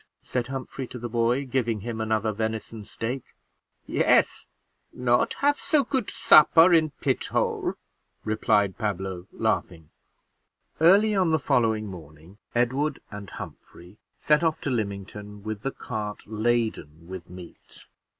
said Humphrey to the boy, giving him another venison steak. "Yes; not have so good supper in pithole," replied Pablo, laughing. Early on the following morning, Edward and Humphrey set off to Lymington with the cart laden with meat.